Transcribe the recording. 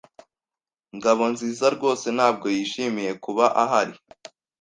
Ngabonzizarwose ntabwo yishimiye kuba ahari.